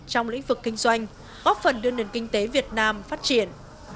trong lĩnh vực kinh doanh góp phần đưa nền kinh tế việt nam phát triển